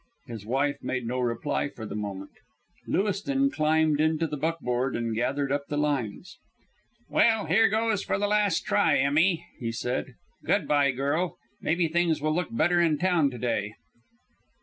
His wife made no reply for the moment. Lewiston climbed into the buckboard and gathered up the lines. "Well, here goes for the last try, Emmie," he said. "Good by, girl. Maybe things will look better in town to day."